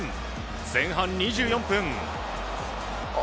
前半２４分。